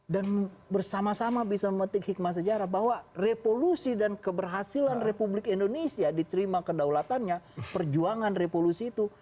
dan bersama sama bisa memetik hikmah sejarah bahwa revolusi dan keberhasilan republik indonesia diterima kedaulatannya perjuangan revolusi itu